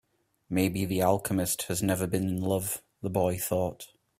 Maybe the alchemist has never been in love, the boy thought.